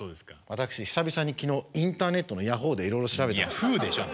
私久々に昨日インターネットのヤホーでいろいろ調べたんですよ。